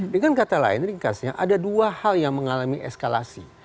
dengan kata lain ringkasnya ada dua hal yang mengalami eskalasi